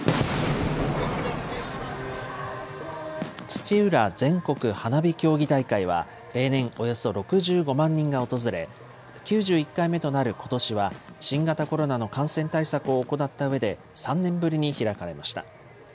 土浦全国花火競技大会は、例年およそ６５万人が訪れ、９１回目となることしは新型コロナの感染対策を行ったうえで、３年ぶりに開かれました。